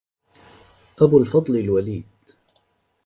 أبو الفضل الوليد